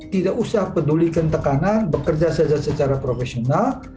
tidak usah pedulikan tekanan bekerja saja secara profesional